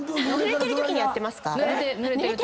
ぬれてるときにやってますか？